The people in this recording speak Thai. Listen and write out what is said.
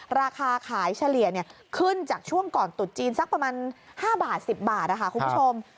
ราคาขายเฉลี่ยขึ้นจากช่วงก่อนตุดจีนสักประมาณ๕บาท๑๐บาทคุณผู้ชม